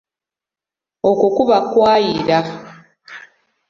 Okwo kuba kwayira.